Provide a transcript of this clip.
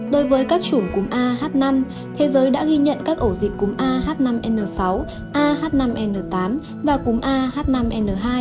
đối với các chủng cúm a h năm thế giới đã ghi nhận các ổ dịch cúm a h năm n sáu a h năm n tám và cúm a h năm n hai